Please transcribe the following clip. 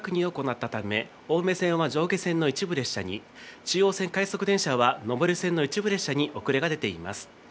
踏切の安全確認を行ったため、青梅線は上下線の一部列車に、中央線快速電車は上り線の一部列車に遅れが出ています。